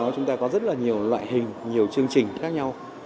chúng ta có rất là nhiều loại hình nhiều chương trình khác nhau